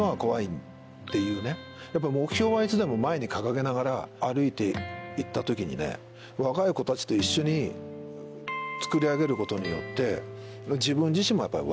やっぱり目標はいつでも前に掲げながら歩いて行った時にね若い子たちと一緒に作り上げることによって。